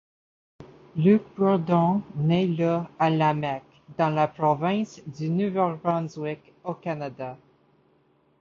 Luc Bourdon naît le à Lamèque, dans la province du Nouveau-Brunswick, au Canada.